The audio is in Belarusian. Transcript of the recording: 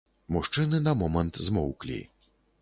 Мужчыны на момант змоўклі.